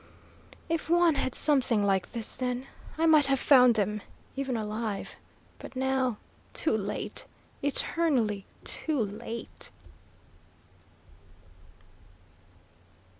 "If one had something like this then, I might have found them, even alive! But now too late eternally too late!"